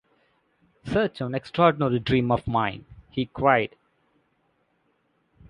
“Such an extraordinary dream of mine!” he cried.